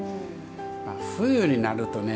冬になるとね。